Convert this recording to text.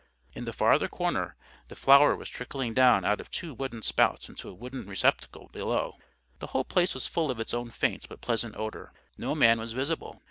In the farther corner, the flour was trickling down out of two wooden spouts into a wooden receptacle below. The whole place was full of its own faint but pleasant odour. No man was visible.